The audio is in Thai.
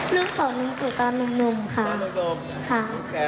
ลุงขอกอดลุงตู่หนึ่งได้ไหมคะ